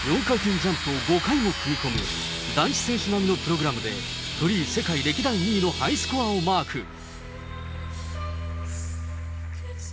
４回転ジャンプを５回も組み込む、男子選手並みのプログラムでフリー世界歴代２位のハイスコアをマーク。